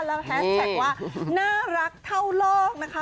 แล้วแฮสแท็กว่าน่ารักเท่าโลกนะคะ